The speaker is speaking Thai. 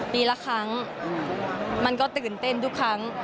ปีละครั้งมันก็ตื่นเต้นทุกครั้ง